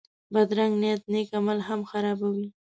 بدرنګه نیت نېک عمل هم خرابوي